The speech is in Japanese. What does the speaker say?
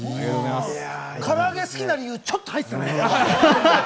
唐揚げ好きな理由、ちょっと入ってたね。